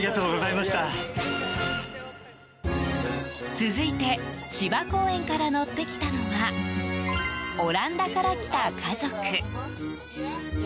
続いて芝公園から乗ってきたのはオランダから来た家族。